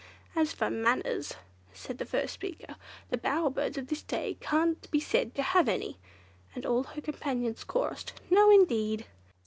"As for manners," said the first speaker, "the bower birds of this day can't be said to have any!" and all her companions chorused, "No, indeed!"